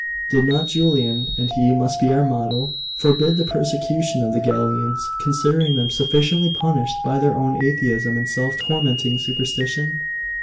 Did not Julian and he must be our model forbid the persecution of the Galilaeans, considering them sufficiently punished by their own atheism and self tormenting superstition?